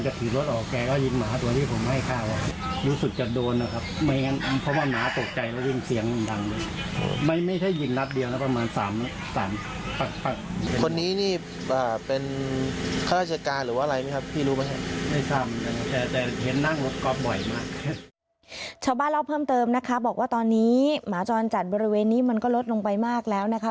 ชาวบ้านเล่าเพิ่มเติมนะคะบอกว่าตอนนี้หมาจรจัดบริเวณนี้มันก็ลดลงไปมากแล้วนะคะ